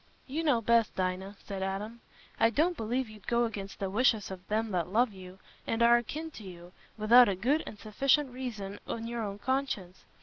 "You know best, Dinah," said Adam. "I don't believe you'd go against the wishes of them that love you, and are akin to you, without a good and sufficient reason in your own conscience.